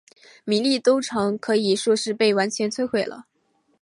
米利都城可以说是被完全毁掉了。